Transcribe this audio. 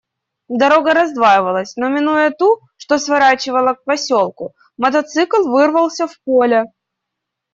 Дорога раздваивалась, но, минуя ту, что сворачивала к поселку, мотоцикл вырвался в поле.